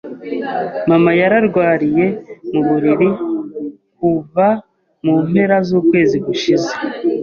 Mama yararwariye mu buriri kuva mu mpera z'ukwezi gushize.